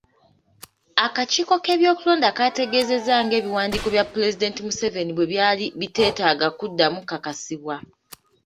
Akakiiko k'ebyokulonda kaategeezezza ng'ebiwandiiko bya Pulezidenti Museveni bwe byali biteetaaga kuddamu kakasibwa.